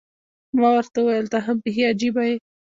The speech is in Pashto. ما ورته وویل، ته هم بیخي عجيبه یې.